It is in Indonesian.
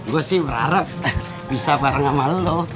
gue sih berharap bisa bareng sama lo